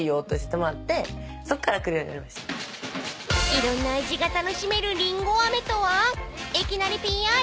［いろんな味が楽しめるりんごあめとは］